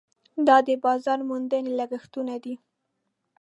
دا د بازار موندنې لګښټونه دي.